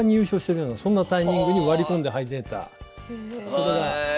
それが。